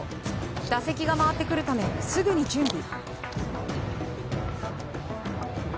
打席が回ってくるためすぐに準備。